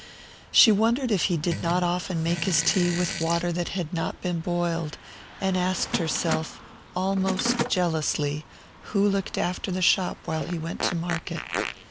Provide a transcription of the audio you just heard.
She wondered if he did not often make his tea with water that had not boiled, and asked herself, almost jealously, who looked after the shop while he went to market.